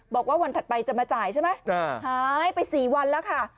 บอกว่าวันถัดไปจะมาจ่ายใช่ไหมหายไป๔วันแล้วค่ะ